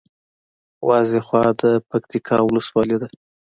وازېخواه د پکتیکا ولسوالي ده